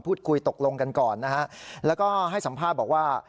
พูดคุยตกลงกันก่อนนะฮะแล้วก็ให้สัมภาษณ์บอกว่า